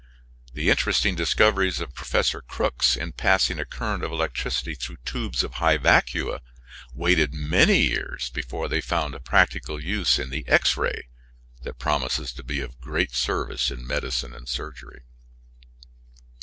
The interesting discoveries of Professor Crookes in passing a current of electricity through tubes of high vacua waited many years before they found a practical use in the X ray, that promises to be of great service in medicine and surgery.